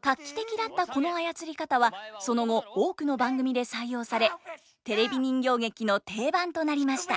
画期的だったこのあやつり方はその後多くの番組で採用されテレビ人形劇の定番となりました。